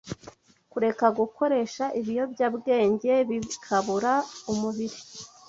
kureka gukoresha ibiyobyabwenge bikabura umubiri